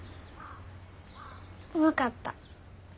分かった。